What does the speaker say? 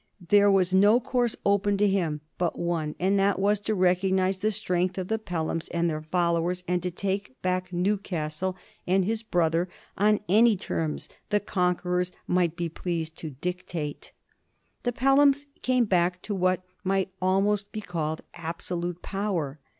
There was no course open to him but one, and that was to recognize the strength of the Pelhams and their followers, and to take back Newcastle and his 1743 1 74G. THE "BROAD BOTTOMED MINISTRY. 245 brother on any terms the conquerors might be pleased to dictate. The Pelhams came back to what might almost be called absolute power.